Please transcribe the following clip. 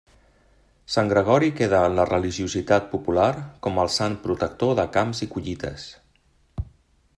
Sant Gregori queda en la religiositat popular com el sant protector de camps i collites.